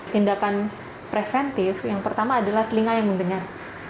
tindakan preventif yang pertama adalah telinga yang mendengar